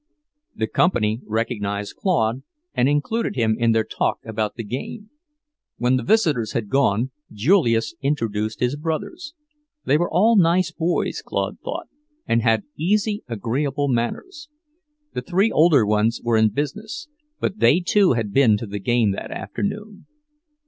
The company recognized Claude and included him in their talk about the game. When the visitors had gone, Julius introduced his brothers. They were all nice boys, Claude thought, and had easy, agreeable manners. The three older ones were in business, but they too had been to the game that afternoon.